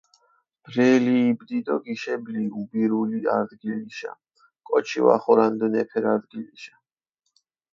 ბრელი იბდი დო გიშებლი უბირული არდგილიშა, კოჩი ვახორანდჷნ ეფერ არდგილიშა.